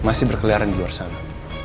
masih berkeliaran di luar sana